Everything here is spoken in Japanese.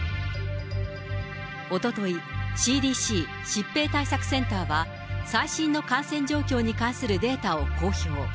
おととい、ＣＤＣ・疾病対策センターは、最新の感染状況に関するデータを公表。